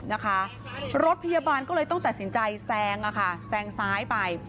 นะคะรถพยาบาลก็เลยต้องตัดสินใจแซงอะค่ะแซงซ้ายไป